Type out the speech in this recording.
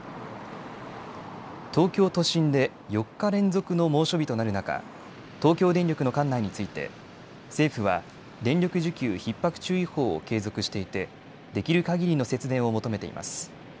東京都心で４日連続の猛暑日となる中、東京電力の管内について政府は電力需給ひっ迫注意報を継続していて、できるかぎりの節電を求めています。